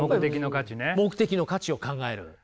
目的の価値を考える。